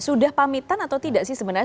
sudah pamitan atau tidak sih sebenarnya